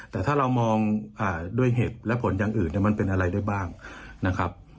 แต่ถ้าเรามองด้วยเหตุและผลอย่างอื่นมันเป็นอะไรด้วยบ้างนะครับ